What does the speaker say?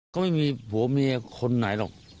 ก็ไม่มีผัวเมียคนไหนหรอก